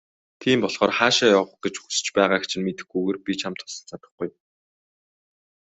Тийм болохоор хаашаа явах гэж хүс байгааг чинь мэдэхгүйгээр би чамд тусалж чадахгүй.